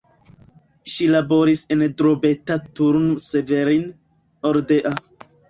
Ŝi laboris en Drobeta-Turnu Severin, Oradea.